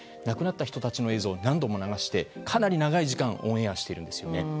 亡くなった人たちの映像を何度も流してかなり長い時間オンエアしているんですね。